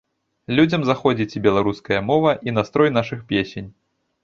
Людзям заходзіць і беларуская мова, і настрой нашых песень.